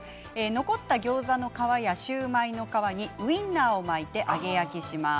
残ったギョーザの皮やシューマイの皮にウインナーを巻いて揚げ焼きします。